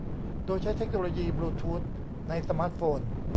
โดยใช้เทคโนโลยีบลูธูทในสมาร์ทโฟน